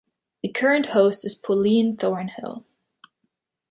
The current host is Pauline Thornhill.